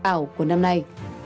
ảo của năm nay